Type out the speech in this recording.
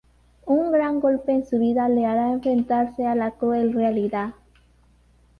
Un gran golpe en su vida le hará enfrentarse a la cruel realidad.